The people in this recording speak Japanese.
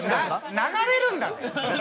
流れるんだぜ？